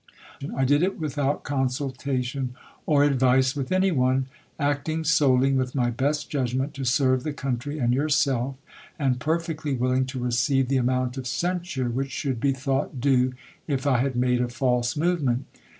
I did it without consulta tion or advice with any one, acting solely with my best judgment to serve the country and yourself, and perfectly willing to receive the amount of censure which should be thought due if I had made a false movement.